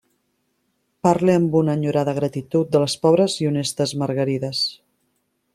Parle amb una enyorada gratitud de les pobres i honestes margarides.